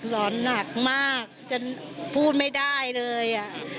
ร้อนหนักมากจนพูดไม่ได้เลย